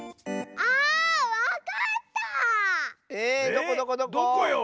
どこどこどこ⁉えどこよ？